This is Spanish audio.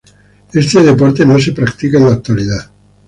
Este deporte no se practica en la actualidad.